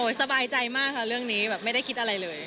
สบายใจมากค่ะเรื่องนี้แบบไม่ได้คิดอะไรเลย